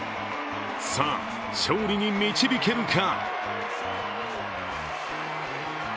さあ、勝利に導けるか。